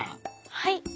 はい。